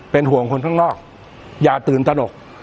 เป็นห่วงคนข้างนอกอย่าตื่นตนก